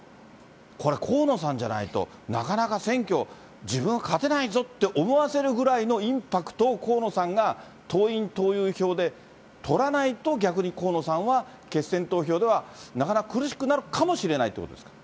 これは河野さんじゃないとなかなか選挙、自分は勝てないぞって思わせるぐらいのインパクトを河野さんが党員・党友票で取らないと逆に河野さんは決選投票ではなかなか苦しくなるかもしれないということですか。